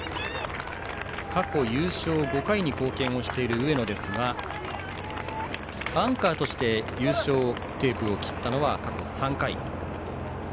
過去、優勝５回に貢献している上野ですがアンカーとして優勝テープを切ったのは過去３回。